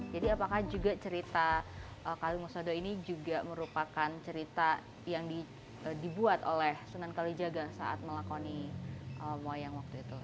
jadi apakah juga cerita kalimah sada ini juga merupakan cerita yang dibuat oleh sunan kalijaga saat melakoni wayang waktu itu